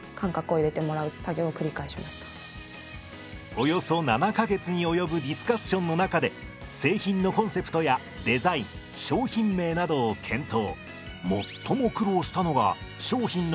およそ７か月に及ぶディスカッションの中で製品のコンセプトやデザイン商品名などを検討。